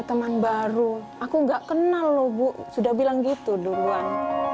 teman baru aku gak kenal loh bu sudah bilang gitu duluan